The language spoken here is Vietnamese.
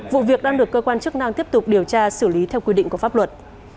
vụ việc đang được cơ quan chức năng tiếp tục điều tra xử lý theo quy định của pháp luật